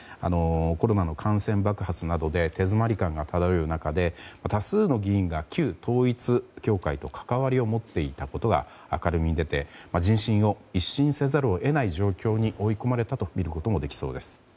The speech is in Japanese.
コロナの感染爆発などで手詰まり感が漂う中で多数の議員が旧統一教会と関わりを持っていたことが明るみに出て人心を一新せざるを得ない状況に追い込まれたと見ることもできそうです。